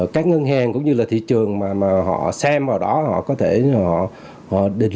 các ngân hàng cũng như là thị trường mà họ xem vào đó họ có thể họ định